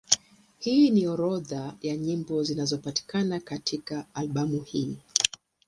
Hii ni orodha ya nyimbo zinazopatikana katika albamu hii.